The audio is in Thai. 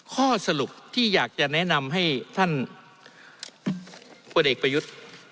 ข้อสรุปที่อยากจะแนะนำให้ท่านพลเอกประยุทธ์